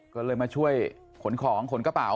ก็เลยมาช่วยขนของขนกระเป๋า